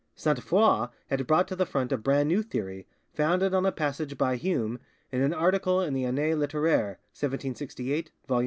Sainte Foix had brought to the front a brand new theory, founded on a passage by Hume in an article in the 'Annee Litteraire (1768, vol.